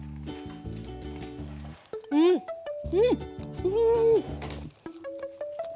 うんうん！